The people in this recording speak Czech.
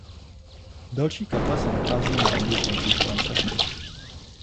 Další kaple se nacházejí na obou koncích transeptu.